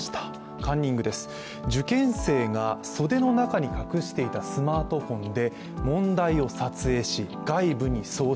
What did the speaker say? カンニングです、受験生が袖の中に隠していたスマートフォンで問題を撮影し、外部に送信。